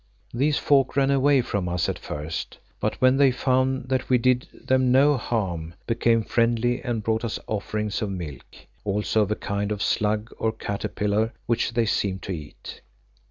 These folk ran away from us at first, but when they found that we did them no harm, became friendly and brought us offerings of milk, also of a kind of slug or caterpillar which they seemed to eat.